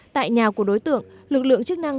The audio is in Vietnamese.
tại nhà của đối tượng lực lượng chức năng